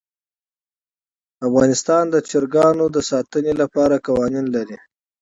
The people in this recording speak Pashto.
افغانستان د چرګان د ساتنې لپاره قوانین لري.